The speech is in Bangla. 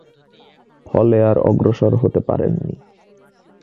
ফলে আর অগ্রসর হতে পারেননি।